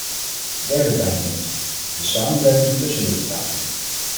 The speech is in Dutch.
Derde pijnpunt: de samenwerking tussen lidstaten.